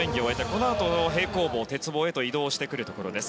このあと平行棒鉄棒へと移動してくるところです。